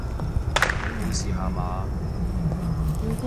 你無事吓嘛！